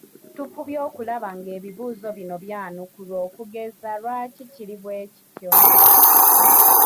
Tufubye okulaba ng'ebibuuzo bino byanukulwa okugeza lwaki kiri bwekityo?